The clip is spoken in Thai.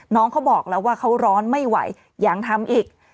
น้องเขาบอกแล้วว่าเขาร้อนไม่ไหวยังทำอีก